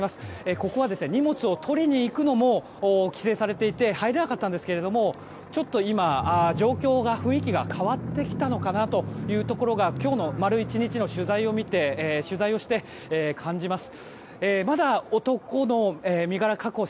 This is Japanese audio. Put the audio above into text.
ここは荷物を取りに行くのも規制されていて入れなかったんですが今、状況が雰囲気が変わってきたのかなというところが今日の丸１日の取材をして感じます。